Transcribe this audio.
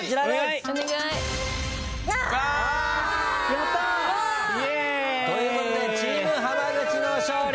やったー！ということでチーム浜口の勝利！